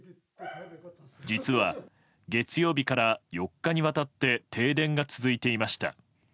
実は、月曜日から４日にわたって停電が続いていました。